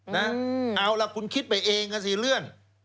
นะเอาล่ะคุณคิดไปเองนะสิเลื่อน